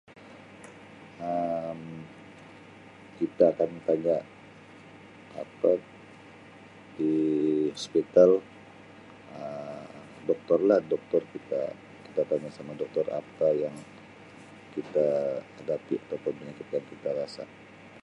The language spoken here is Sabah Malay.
Um kita akan tanya apa di hospital Um doktor lah doktor kita-kita tanya sama doktor atau yang kita hadapi atau yang kita rasa.